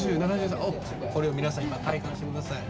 これを皆さん今体感して下さい。